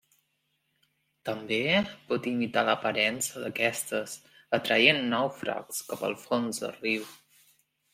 També pot imitar l'aparença d'aquestes, atraient nàufrags cap al fons del riu.